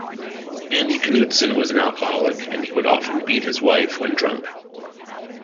Andy Knutson was an alcoholic and he would often beat his wife when drunk.